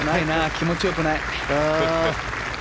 気持ちよくない。